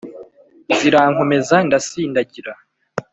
zirankomeza ndasindagira.